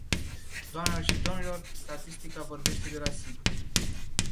Doamnelor și domnilor, statistica vorbește de la sine.